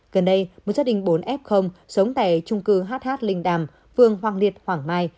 gần đây một gia đình bốn f sống tại trung cư hh linh đàm phường hoàng liệt hoàng mai